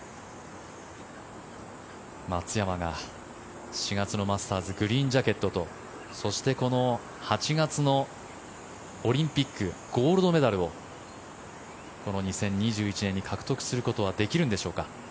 松山が４月のマスターズグリーンジャケットとそして、この８月のオリンピックゴールドメダルをこの２０２１年に獲得することはできるんでしょうか。